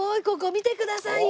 見てくださいよ！